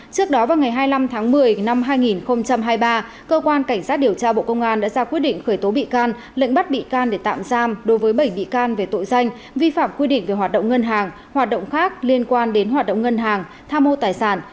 trước đó vào ngày hai mươi năm tháng một mươi năm hai nghìn hai mươi ba cơ quan cảnh sát điều tra bộ công an đã ra quyết định khởi tố bị can lệnh bắt bị can để tạm giam đối với bảy bị can về tội danh vi phạm quy định về hoạt động ngân hàng hoạt động khác liên quan đến hoạt động ngân hàng tham mô tài sản